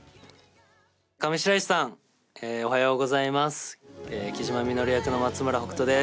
上白石さんおはようございます。